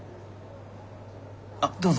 あっどうぞ。